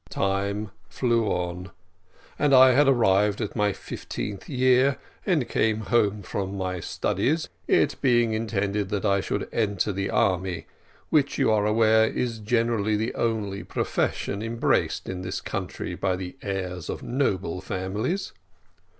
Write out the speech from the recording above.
Time flew on, and I had arrived at my fifteenth year, and came home from my studies, it being intended that I should enter the army, which you are aware is generally the only profession embraced in this country by the heirs of noble families.